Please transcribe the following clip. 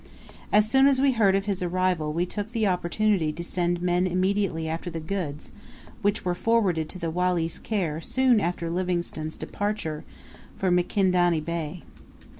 As soon as we heard of his arrival we took the opportunity to send men immediately after the goods which were forwarded to the Wali's care soon after Livingstone's departure for Mikindany Bay.